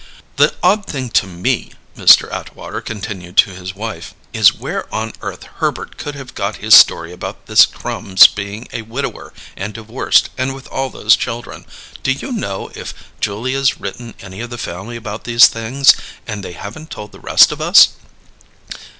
"The odd thing to me," Mr. Atwater continued to his wife, "is where on earth Herbert could have got his story about this Crum's being a widower, and divorced, and with all those children. Do you know if Julia's written any of the family about these things and they haven't told the rest of us?"